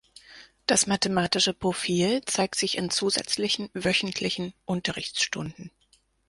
Das mathematische Profil zeigt sich in zusätzlichen wöchentlichen Unterrichtsstunden.